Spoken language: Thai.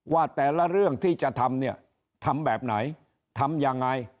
ว่าแต่ละเรื่องที่จะทำเนี่ยทำแบบไหนทำยังไง